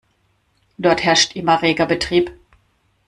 Dort herrscht immer reger Betrieb.